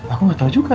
aku gak tau juga